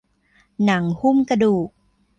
หนังหุ้มกระดูก